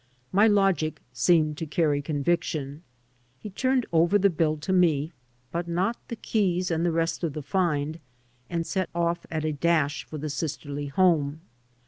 My logic seemed to carry conviction. He turned over the biU to me (but not the keys and the rest of the find) and set off on a dash for the sisterly home.